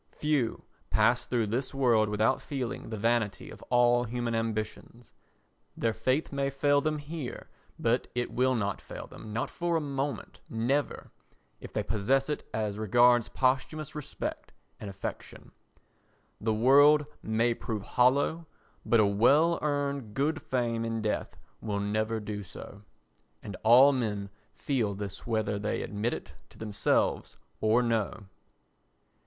Few pass through this world without feeling the vanity of all human ambitions; their faith may fail them here, but it will not fail them—not for a moment, never—if they possess it as regards posthumous respect and affection. The world may prove hollow but a well earned good fame in death will never do so. And all men feel this whether they admit it to themselves or no.